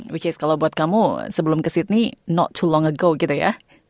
which is kalau buat kamu sebelum ke sydney not too long ago gitu ya